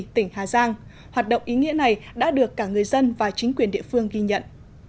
tỉnh hà giang hoạt động ý nghĩa này đã được cả người dân và chính quyền địa phương ghi nhận